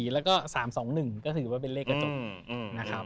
แล้วก็๓๒๑ก็ถือว่าเป็นเลขกระจก